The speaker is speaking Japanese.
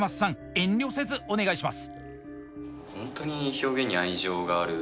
遠慮せずお願いします。